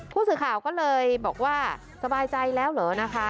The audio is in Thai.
ผู้สื่อข่าวก็เลยบอกว่าสบายใจแล้วเหรอนะคะ